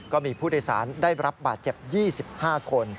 ก็มีผู้โดยสารได้รับบาดเจ็บ๒๕คน